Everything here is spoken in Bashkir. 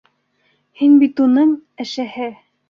Һин бит уның... әшәһе!